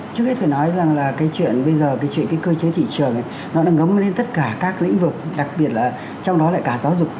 trước hết phải nói rằng là cái chuyện bây giờ cái chuyện cái cơ chế thị trường nó đã ngấm lên tất cả các lĩnh vực đặc biệt là trong đó lại cả giáo dục